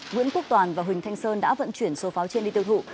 nguyễn quốc toàn và huỳnh thanh sơn đã vận chuyển số pháo trên đi tiêu thụ